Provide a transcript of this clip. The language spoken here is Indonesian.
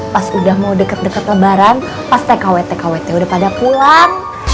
pas udah mau deket deket lebaran pas tkw tkwt udah pada pulang